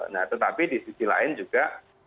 nah tetapi di sisi lain juga